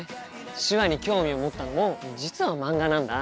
手話に興味を持ったのも実は漫画なんだ。